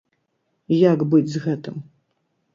Як быць з гэтым?